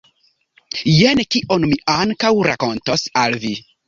Jen kion mi ankaŭ rakontos al vi.